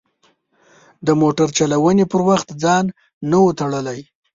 د موټر چلونې پر وخت ځان نه و تړلی.